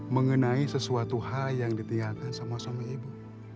mengenai sesuatu hal yang ditinggalkan sama sama ibu